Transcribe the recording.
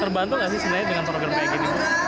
terbantu gak sih sebenarnya dengan program kayak gini